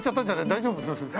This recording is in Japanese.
大丈夫ですか。